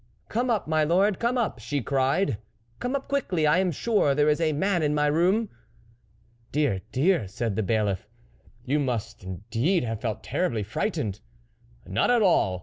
"' Come up, my lord, come up,' she cried. ' Come up quickly I am sure there is a man in my room.' " "Dear! dear! ..." said the bailiff, "you must indeed have felt terribly frightened." " Not at all